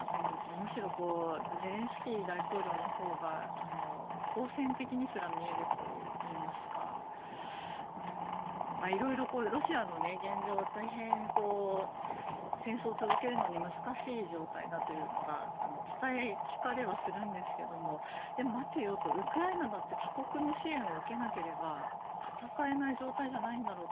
むしろゼレンスキー大統領のほうが好戦的にすら見えるといいますかいろいろロシアの現状は大変戦争を続けるのに難しい状態だというのが伝え聞かれはするんですけれどもでも、待てよとウクライナだって他国の支援を受けなければ戦えない状況じゃないだろうか。